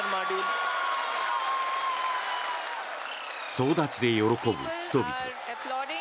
総立ちで喜ぶ人々。